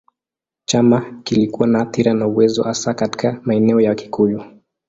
Chama kilikuwa na athira na uwezo hasa katika maeneo ya Wakikuyu.